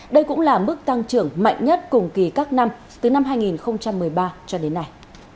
đây cũng là mức tăng trưởng mạnh nhất cùng kỳ các năm từ năm hai nghìn một mươi ba cho đến nay